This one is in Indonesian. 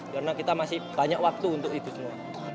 karena kita masih banyak waktu untuk itu semua